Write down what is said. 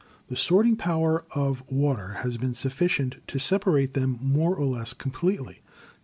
The sorting power of water has been sufficient to separate them more or less completely.